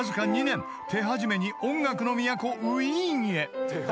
［手始めに音楽の都ウィーンへ］